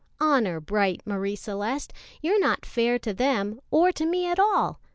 Honor bright, Marie Celeste, you're not fair to them or to me at all.